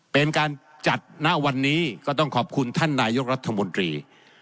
เป็นการจัดณวันนี้ก็ต้องขอบคุณท่านนายกรัฐมนตรี